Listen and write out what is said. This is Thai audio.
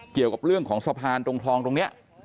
เกี่ยวกับเรื่องของสะพานตรงตรงเนี่ย